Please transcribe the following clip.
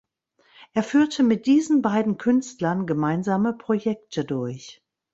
Er führte mit diesen beiden Künstlern gemeinsame Projekte durch.